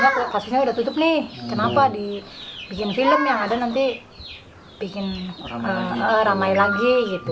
saya mengatakan bahwa saya akan membuat film yang akan ramai lagi